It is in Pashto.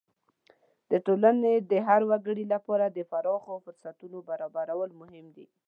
د ټولنې د هر وګړي لپاره د پراخو فرصتونو برابرول مهم دي.